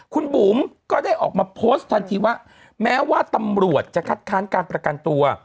คุณบุ๋มก็ได้ออกมาโพสต์ทันทีว่าแม้ว่าตำรวจจะคัดค้านการประกันตัว